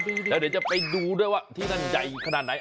เดี๋ยวจะไปดูด้วยว่าที่นั่นใหญ่ขนาดไหน